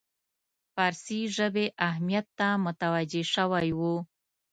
فارسي ژبې اهمیت ته متوجه شوی وو.